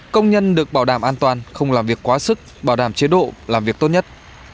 công nhân được bảo đảm an toàn không làm việc quá sức bảo đảm chế độ làm việc tốt nhất